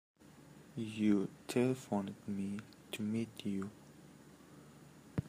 You telephoned me to meet you.